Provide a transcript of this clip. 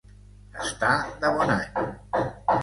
Estar de bon any.